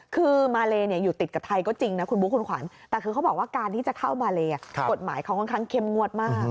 คือมาเลอยู่ติดกับไทยก็จริงนะคุณบุ๊คคุณขวัญแต่คือเขาบอกว่าการที่จะเข้ามาเลกฎหมายเขาค่อนข้างเข้มงวดมาก